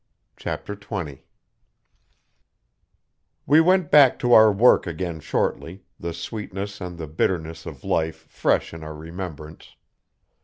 Chapter 20 We went back to our work again shortly, the sweetness and the bitterness of life fresh in our remembrance.